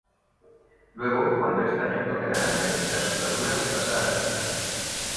Luego, cuando el estaño toca el alambre, la soldadura se pasa a la pista.